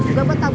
secara make up